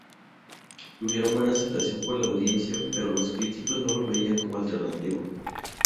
Tuvieron buena aceptación por la audiencia, pero los críticos no lo veían como alternativo.